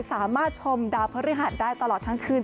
สามารถชมดาวพฤหัสได้ตลอดทั้งคืน